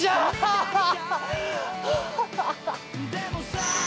アハハハ！